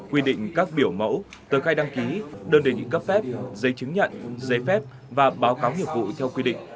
quy định các biểu mẫu tờ khai đăng ký đơn đề nghị cấp phép giấy chứng nhận giấy phép và báo cáo nhiệm vụ theo quy định